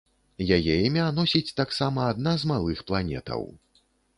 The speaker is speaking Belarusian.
Яе імя носіць таксама адна з малых планетаў.